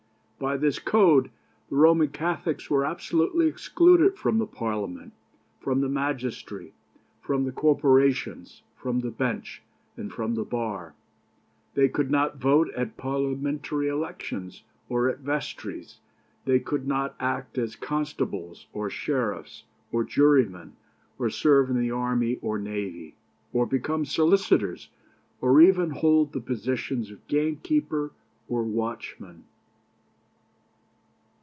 By this code the Roman Catholics were absolutely excluded from the Parliament, from the magistracy, from the corporations, from the bench, and from the bar. They could not vote at Parliamentary elections or at vestries; they could not act as constables, or sheriffs, or jurymen, or serve in the army or navy, or become solicitors, or even hold the positions of gamekeeper or watchman.